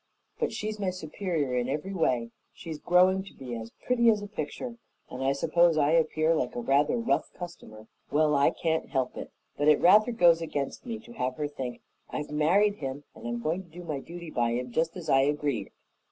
But she's my superior in every way; she's growing to be a pretty as a picture, and I suppose I appear like a rather rough customer. Well, I can't help if, but it rather goes against me to have her think, 'I've married him and I'm going to do my duty by him, just as I agreed.'